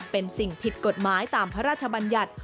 เป็นสิ่งผิดกฎหมายตามพระราชบัญญัติ